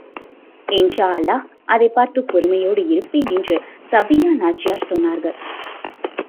இன்ஷா அல்லாஹ் அதைப் பார்த்துப் பொறுமையோடு இருப்பேன் என்று ஸபிய்யா நாச்சியார் சொன்னார்கள்.